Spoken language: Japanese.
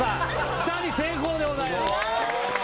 ２人成功でございますすごい！